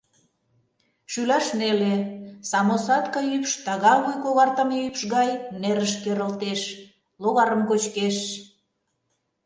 Шӱлаш неле, самосадка ӱпш тага вуй когартыме ӱпш гай нерыш керылтеш, логарым кочкеш.